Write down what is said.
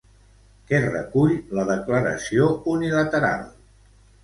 Què recull la declaració unilateral?